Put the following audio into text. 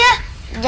jatuh aja ya